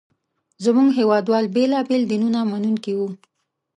زموږ هېواد وال بېلابېل دینونه منونکي وو.